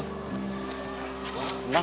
gak masih gue galamin